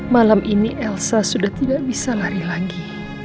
malam ini elsa sudah tidak bisa lari lagi